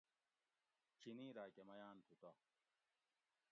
چینی راۤکہ میاۤن تُھو تہ